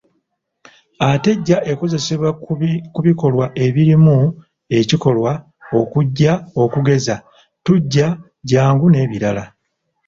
Ate “j” ekozesebwa ku bikolwa ebirimu ekikolwa okujja okugeza tujja, jangu n’ebirala.